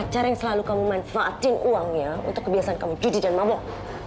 pacar yang selalu kamu manfaatin uangnya untuk kebiasaan kamu cuti dan mabok